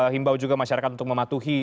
himbau juga masyarakat untuk mematuhi